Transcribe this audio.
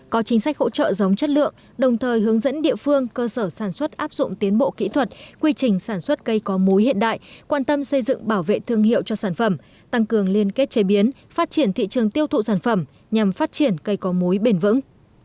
có chính sách hỗ trợ giống chất lượng đồng thời hướng dẫn địa phương cơ sở sản xuất áp dụng tiến bộ kỹ thuật quy trình sản xuất cây có múi hiện đại quan tâm xây dựng bảo vệ thương hiệu cho sản phẩm tăng cường liên kết chế biến phát triển thị trường tiêu thụ sản phẩm nhằm phát triển cây có muối bền vững